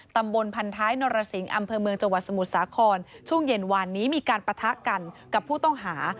ตำบลพันท้ายนรสิงห์อำเภอเมืองจังหวัดสมุทรสาครช่วงเย็นวานนี้มีการปะทะกันกับผู้ต้องหา